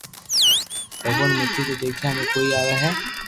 ڀگوان مني تو ديکيا ۾ ڪوئي آوي ھي